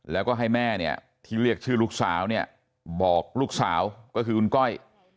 แล้วก็ให้แม่เนี่ยที่เรียกชื่อลูกสาวเนี่ยบอกลูกสาวก็คือคุณก้อย